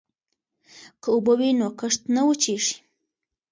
که اوبه وي نو کښت نه وچيږي.